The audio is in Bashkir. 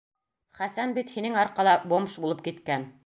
Хәсән бит һинең арҡала бомж булып киткән!